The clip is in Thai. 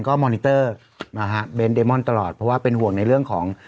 ก็นะฮะเบนแต่ม่อนตลอดเพราะว่าเป็นห่วงในเรื่องของ